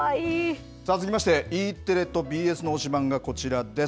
続きまして、ＥテレとＢＳの推しバン！がこちらです。